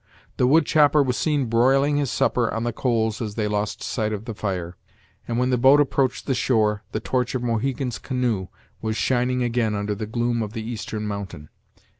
The wood chopper was seen broiling his supper on the coals as they lost sight of the fire, and when the boat approached the shore, the torch of Mohegan's canoe was shining again under the gloom of the eastern mountain.